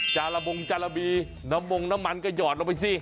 ซาละโมงซาละบีน้ำมันก็หยอดไอ้ผมไปซิ